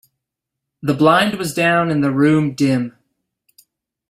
The blind was down and the room dim.